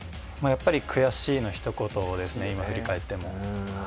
やっぱり悔しいのひと言ですね、今振り返っても。